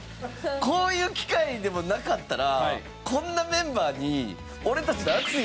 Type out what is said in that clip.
こういう機会でもなかったら。